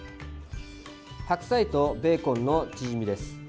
白菜とベーコンのチヂミです。